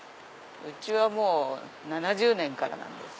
うちは７０年からなんですよ。